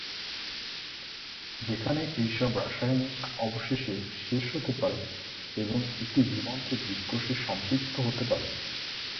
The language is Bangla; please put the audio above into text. যেখানে এইসব রাসায়নিক অবশেষে শেষ হতে পারে এবং একটি জীবন্ত জীব কোষে সম্পৃক্ত হতে পারে।